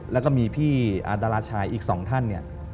แล้วก็มีพี่ดาราชายอีก๒ท่านเนี่ย